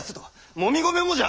もみ米もじゃ！